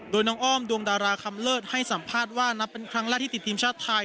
โดยน้องอ้อมดวงดาราคำเลิศให้สัมภาษณ์ว่านับเป็นครั้งแรกที่ติดทีมชาติไทย